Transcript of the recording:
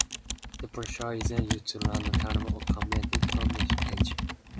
The pressure is then used to run a turbine or a converted combustion engine.